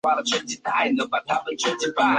预计在有效寿命阶段有多少次保修索赔？